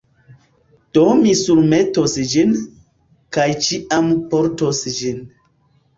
Do mi surmetos ĝin, kaj ĉiam portos ĝin.